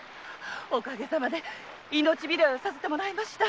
おかげさまで命拾いをさせてもらいました。